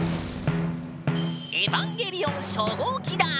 エヴァンゲリオン初号機だ！